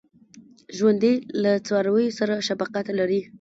ژوندي له څارویو سره شفقت لري